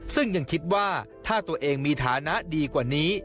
ซึ่งยังคิดว่าถ้าตัวเองมีฐานะดีกว่านี้